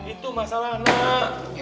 itu masalah anak